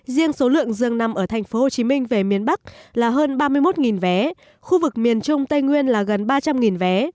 riêng số lượng dương nằm ở tp hcm về miền bắc là hơn ba mươi một vé khu vực miền trung tây nguyên là gần ba trăm linh vé